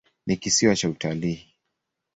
Ni kisiwa cha utalii.